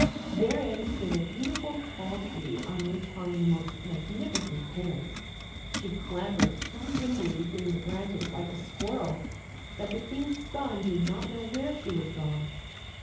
Therein stood a beautiful tall tree on which hung the most magnificent pears. She clambered so nimbly between the branches like a squirrel that the King's son did not know where she was gone.